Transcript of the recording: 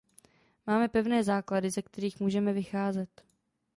Máme pevné základy, ze kterých můžeme vycházet.